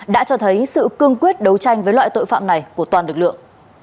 đã cho thấy sự cương quyết đấu tranh với loại tội phạm này của toàn lực lượng